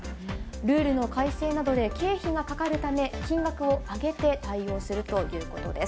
ルールの改正などで経費がかかるため、金額を上げて対応するということです。